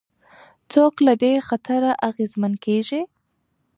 څوک له دې خطره اغېزمن کېږي؟